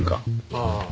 ああ。